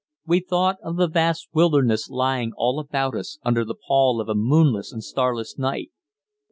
We thought of the vast wilderness lying all about us under the pall of a moonless and starless night.